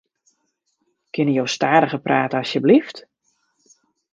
Kinne jo stadiger prate asjebleaft?